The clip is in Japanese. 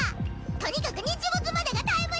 とにかく日没までがタイムリミットや。